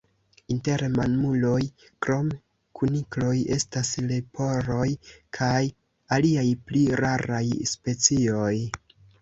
Inter mamuloj, krom kunikloj, estas leporoj kaj aliaj pli raraj specioj.